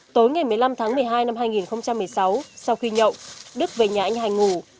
tối ngày một mươi năm tháng một mươi hai năm hai nghìn một mươi sáu sau khi nhậu đức về nhà anh hành ngủ